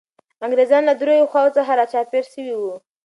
انګریزان له دریو خواوو څخه را چاپېر سوي وو.